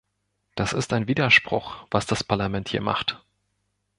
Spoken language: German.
Das ist ein Widerspruch, was das Parlament hier macht.